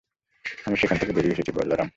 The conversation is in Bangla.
আমি সেখান থেকে বেরিয়ে এসেছি, বলরাম।